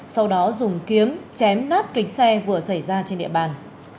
sau đó dùng kiếm chém nát kính xe vừa xảy ra trên địa bàn